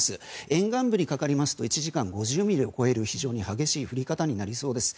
沿岸部にかかりますと１時間５０ミリを超える非常に激しい降り方になりそうです。